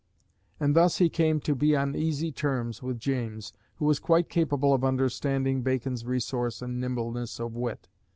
And thus he came to be on easy terms with James, who was quite capable of understanding Bacon's resource and nimbleness of wit.